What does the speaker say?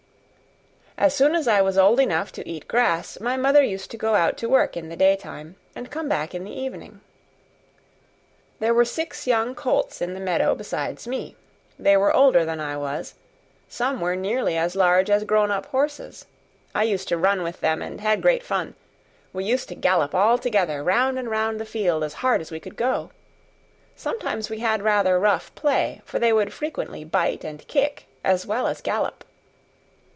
As soon as I was old enough to eat grass my mother used to go out to work in the daytime, and come back in the evening. There were six young colts in the meadow besides me; they were older than I was; some were nearly as large as grown up horses. I used to run with them, and had great fun; we used to gallop all together round and round the field as hard as we could go. Sometimes we had rather rough play, for they would frequently bite and kick as well as gallop.